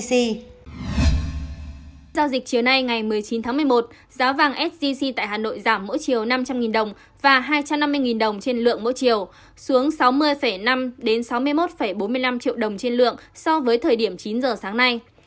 giao dịch chiều nay ngày một mươi chín tháng một mươi một giá vàng sgc tại hà nội giảm mỗi chiều năm trăm linh đồng và hai trăm năm mươi đồng trên lượng mỗi chiều xuống sáu mươi năm sáu mươi một bốn mươi năm triệu đồng trên lượng so với thời điểm chín giờ sáng nay